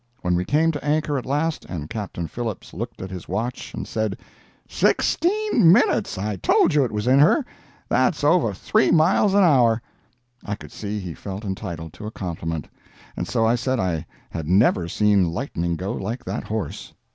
When we came to anchor at last, and Captain Phillips looked at his watch and said, "Sixteen minutes—I told you it was in her! that's ova three miles an hour!" I could see he felt entitled to a compliment, and so l said I had never seen lightning go like that horse.